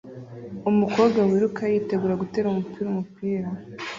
Umukobwa wiruka yitegura gutera umupira umupira